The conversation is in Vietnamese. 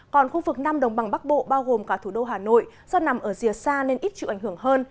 còn khu vực nam đồng bằng bắc bộ bao gồm cả thủ đô hà nội do nằm ở rìa xa nên ít chịu ảnh hưởng hơn